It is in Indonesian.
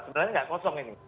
sebenarnya tidak kosong ini